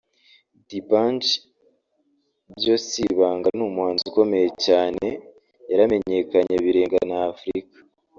D’banj byo si ibanga ni umuhanzi ukomeye cyane yaramenyekanye birenga na Afurika